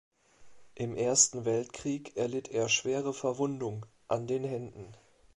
Im Ersten Weltkrieg erlitt er schwere Verwundung an den Händen.